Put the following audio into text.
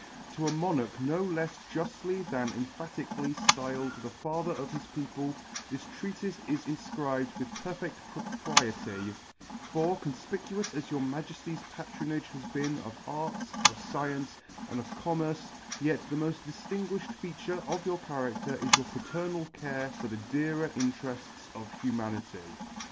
To [ Vii ] To a Monarch no lefs juftly than empha tically ftyled the Father of his People, this Treatife is infcribed with perfed propriety: for, confpicuous as your Majefty's patronage has been of Arts, of Sciences, and of Com merce, yet the moil diftinguifhed feature of your charader is your paternal care for the dearer interefts of humanity.